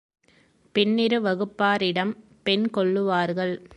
பின்னிரு வகுப்பாரிடம் பெண் கொள்ளுவார்கள்.